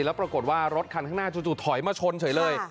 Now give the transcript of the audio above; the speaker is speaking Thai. แล้วปรากฏว่ารถคันข้างหน้าจู่ถอยมาชนเฉยเลย